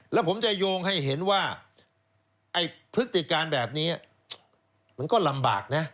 แล้วผมจะโยงให้เห็นว่าไอ้พฤติการแบบนี้มันก็ลำบากนะ